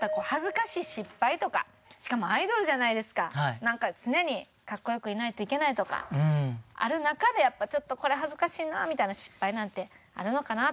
なんか常に格好良くいないといけないとかある中でちょっとこれ恥ずかしいなみたいな失敗なんてあるのかなって。